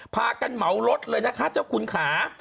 พากันเหมารถเลยนะคะเจ้าคุณขา